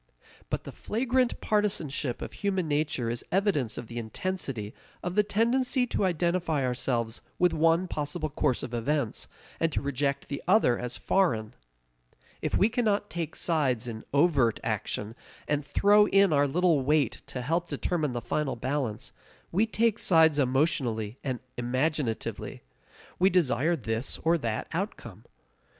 But the flagrant partisanship of human nature is evidence of the intensity of the tendency to identify ourselves with one possible course of events, and to reject the other as foreign. If we cannot take sides in overt action, and throw in our little weight to help determine the final balance, we take sides emotionally and imaginatively. We desire this or that outcome.